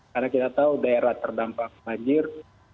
karena kita tahu daerah terdampak banjir